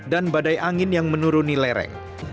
dan badai angin yang menuruni lereng